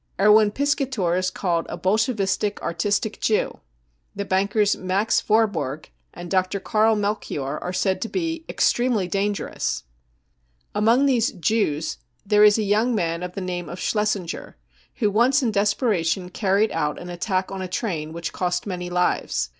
Erwin Piskator is called a " Bolshevistic artistic Jew. 55 The bankers Max Warburg and Dr. Karl Melchior are said to be <c Extremely dangerous ! 55 Among these €£ Jews 55 there is a young man of the name of Schlesinger, who once in desperation carried out an attack on a train which cost many lives.